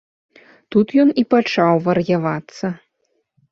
Тут ён і пачаў вар'явацца.